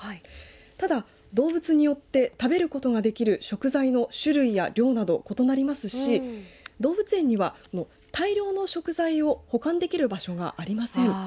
ただ動物によって食べることができる食材の種類や量など異なりますし動物園には大量の食材を保管できる場所がありません。